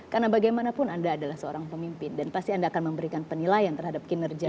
karena bagaimanapun anda adalah seorang pemimpin dan pasti anda akan memberikan penilaian terhadap kinerja